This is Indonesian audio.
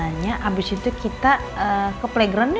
makanya abis itu kita ke playgroundnya